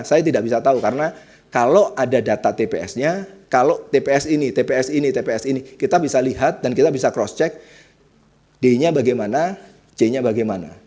saya tidak bisa tahu karena kalau ada data tps nya kalau tps ini tps ini tps ini kita bisa lihat dan kita bisa cross check d nya bagaimana c nya bagaimana